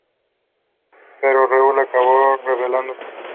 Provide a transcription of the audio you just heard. Pero Raul acabó rebelándose.